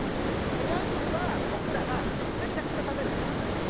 ペヤングは僕らがめちゃくちゃ食べるんで２人とも。